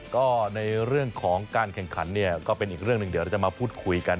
ก็ในเรื่องของการแข่งขันเนี่ยก็เป็นอีกเรื่องหนึ่งเดี๋ยวเราจะมาพูดคุยกัน